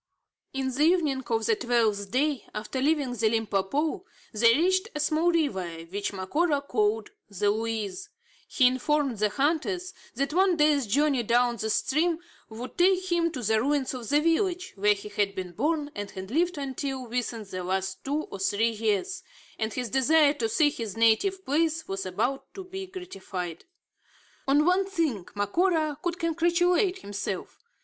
In the evening of the twelfth day after leaving the Limpopo, they reached a small river, which Macora called the Luize. He informed the hunters, that one day's journey down this stream would take him to the ruins of the village where he had been born and had lived until within the last two or three years, and his desire to see his native place was about to be gratified. On one thing Macora could congratulate himself.